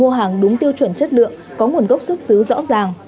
pháp để mua hàng đúng tiêu chuẩn chất lượng có nguồn gốc xuất xứ rõ ràng